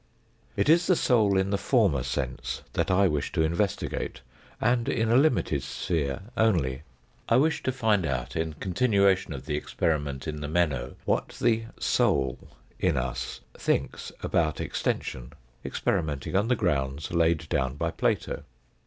It is the soul in the former sense that I wish to investigate, and in a limited sphere only. I wish to find out, in con tinuation of the experiment in the Meno, what the " soul " in us thinks about extension, experimenting on the grounds laid down by Plato.